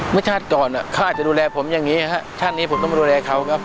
เมื่อชาติก่อนเขาอาจจะดูแลผมอย่างนี้ชาตินี้ผมต้องดูแลเขาครับ